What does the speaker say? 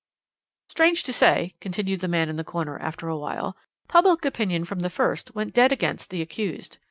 "Strange to say," continued the man in the corner after a while, "public opinion from the first went dead against the accused.